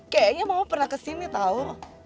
kayaknya mama pernah kesini tau